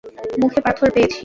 মুখে পাথর পেয়েছি।